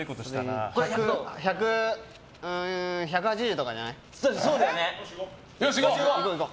それで１８０とかじゃない？